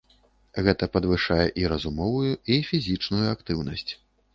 Гэта падвышае і разумовую, і фізічную актыўнасць.